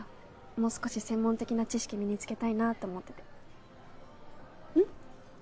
もう少し専門的な知識身につけたいなあと思っててうん？